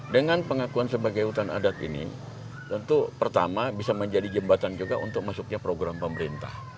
dengan pengakuan sebagai hutan adat ini tentu pertama bisa menjadi jembatan juga untuk masuknya program pemerintah